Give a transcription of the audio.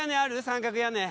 三角屋根。